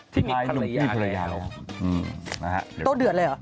ที่มีภรรยาไงครับ